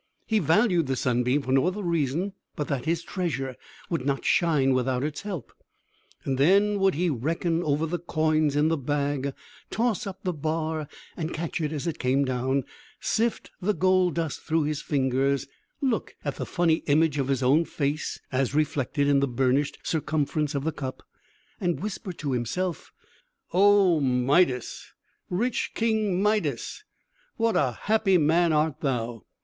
He valued the sunbeam for no other reason but that his treasure would not shine without its help. And then would he reckon over the coins in the bag; toss up the bar, and catch it as it came down; sift the gold dust through his fingers; look at the funny image of his own face, as reflected in the burnished circumference of the cup, and whisper to himself, "O Midas, rich King Midas, what a happy man art thou!"